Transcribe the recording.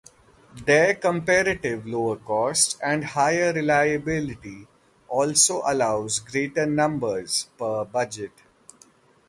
Their comparative lower cost and higher reliability also allows greater numbers per budget.